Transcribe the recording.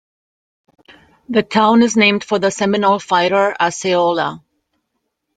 The town is named for the Seminole fighter, Osceola.